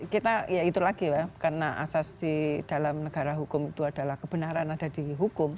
kita ya itu lagi ya karena asas di dalam negara hukum itu adalah kebenaran ada di hukum